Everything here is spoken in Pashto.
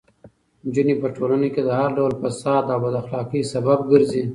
نجونې په ټولنه کې د هر ډول فساد او بد اخلاقۍ سبب ګرځي.